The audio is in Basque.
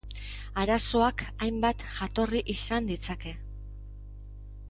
Arazoak hainbat jatorri izan ditzake.